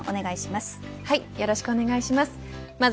よろしくお願いします。